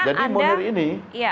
jadi munir ini